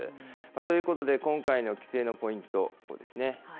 ということで、今回の規制のポイント、こうですね。